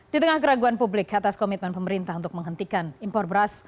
di tengah keraguan publik atas komitmen pemerintah untuk menghentikan impor beras